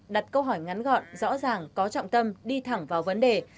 đặt câu hỏi ngắn gọn rõ ràng có trọng tâm đi thẳng vào vấn đề